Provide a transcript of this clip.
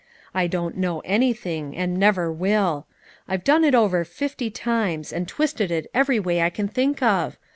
I don't know anything, and never will. I've done it over fifty times, and twisted it every way I can think of.